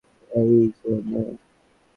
এই যে নে।